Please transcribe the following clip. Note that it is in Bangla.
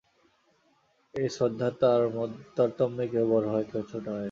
এই শ্রদ্ধার তারতম্যেই কেহ বড় হয়, কেহ ছোট হয়।